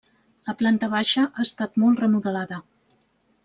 La planta baixa ha estat molt remodelada.